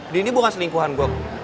dini bukan selingkuhan gue